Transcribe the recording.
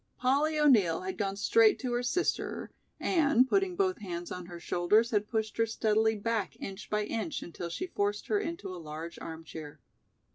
Polly O'Neill had gone straight to her sister and putting both hands on her shoulders had pushed her steadily back inch by inch until she forced her into a large armchair.